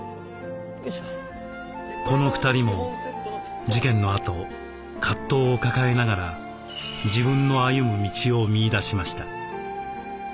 この２人も事件のあと葛藤を抱えながら自分の歩む道を見いだしました。